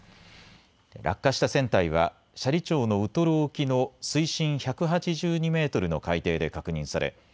落下した船体は斜里町のウトロ沖の水深１８２メートルの海底で確認され